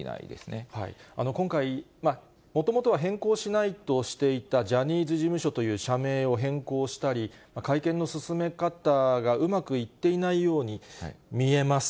今回、もともとは変更しないとしていたジャニーズ事務所という社名を変更したり、会見の進め方がうまくいっていないように見えます。